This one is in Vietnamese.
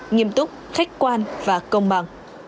nghiêm túc khách quan và công bằng